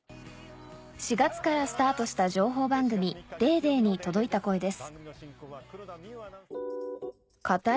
４月からスタートした情報番組『ＤａｙＤａｙ．』に届いた声です